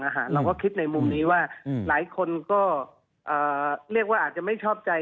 เราก็คิดในมุมนี้ว่าหลายคนก็เรียกว่าอาจจะไม่ชอบใจ